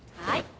はい。